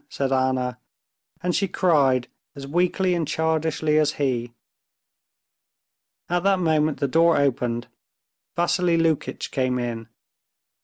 said Anna, and she cried as weakly and childishly as he. At that moment the door opened. Vassily Lukitch came in.